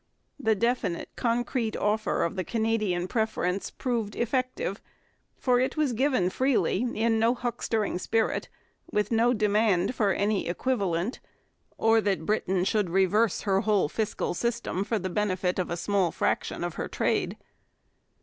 The definite, concrete offer of the Canadian preference proved effective, for it was given freely, in no huckstering spirit, with no demand for any equivalent or that Britain should reverse her whole fiscal system for the benefit of a small fraction of her trade.